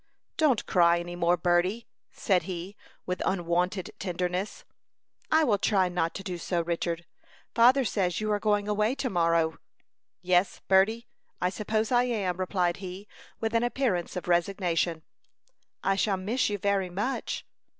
"Don't cry any more, Berty," said he, with unwonted tenderness. "I will try not to do so, Richard. Father says you are going away to morrow." "Yes, Berty, I suppose I am," replied he, with an appearance of resignation. "I shall miss you very much."